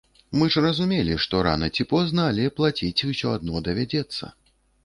Мы ж разумелі, што рана ці позна, але плаціць усё адно давядзецца.